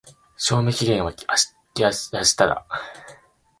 賞味期限は明日だ。